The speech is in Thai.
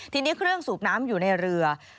ทีนี้เครื่องสูบน้ำอยู่ในเรือ